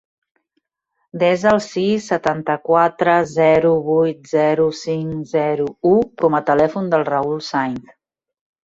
Desa el sis, setanta-quatre, zero, vuit, zero, cinc, zero, u com a telèfon del Raül Sainz.